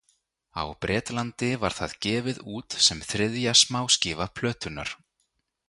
Á Bretlandi var það gefið út sem þriðja smáskífa plötunnar.